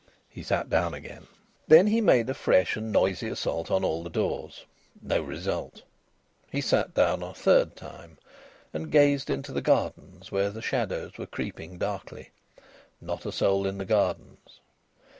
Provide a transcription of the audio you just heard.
He sat down again. Then he made a fresh and noisy assault on all the doors. No result. He sat down a third time, and gazed info the gardens where the shadows were creeping darkly. Not a soul in the gardens.